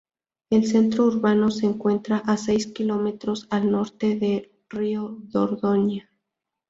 El centro urbano se encuentra a seis kilómetros al norte del río Dordoña.